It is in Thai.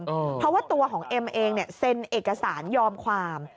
เพราะว่าตัวของเอ็มเองเนี่ยเซ็นเอกสารยอมความ